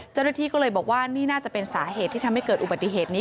เจ้าหน้าที่ก็เลยบอกว่านี่น่าจะเป็นสาเหตุที่ทำให้เกิดอุบัติเหตุนี้